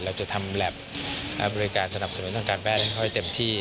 เราจะทำแล็บบริการสนับสนุนทางการแพทย์ให้เขาให้เต็มที่